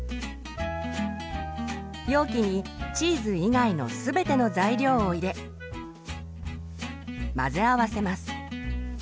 容器にチーズ以外の全ての材料を入れ混ぜ合わせます。